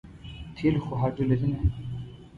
تېل خو هډو لري نه.